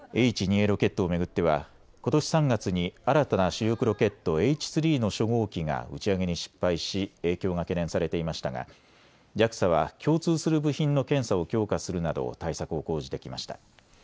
Ａロケットを巡ってはことし３月に新たな主力ロケット、Ｈ３の初号機が打ち上げに失敗し影響が懸念されていましたがＪＡＸＡは共通する部品の検査を強化するなど対策を講じてきました。